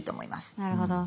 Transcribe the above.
なるほど。